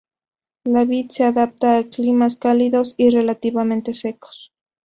La vid se adapta a climas cálidos y relativamente secos.